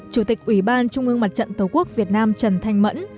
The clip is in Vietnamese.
chủ tịch ủy ban trung ương mặt trận tổ quốc việt nam trần thanh mẫn